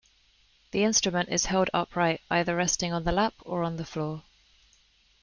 The instrument is held upright, either resting on the lap or on the floor.